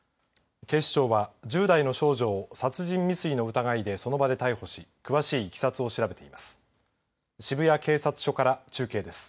警視庁は１０代の少女を殺人未遂の疑いでその場で逮捕し詳しいいきさつを調べています。